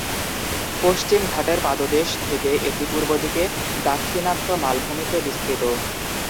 পশ্চিম ঘাটের পাদদেশ থেকে এটি পূর্বদিকে দাক্ষিণাত্য মালভূমিতে বিস্তৃত।